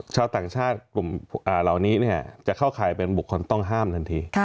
ชาวต่างชาติกลุ่มเหล่านี้จะเข้าข่ายเป็นบุคคลต้องห้ามทันที